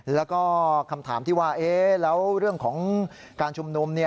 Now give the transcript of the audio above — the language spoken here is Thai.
แล้วก็คำถามที่ว่าแล้วเรื่องของการชุมนุม